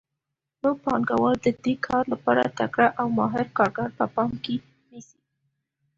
نو پانګوال د دې کار لپاره تکړه او ماهر کارګر په پام کې نیسي